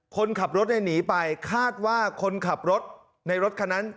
คนขับรถหนีไปคาดว่าคนขับรถในรถคันนั้น